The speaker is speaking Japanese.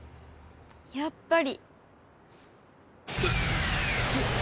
やっぱり。